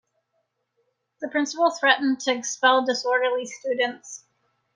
The principle threatened to expel disorderly students.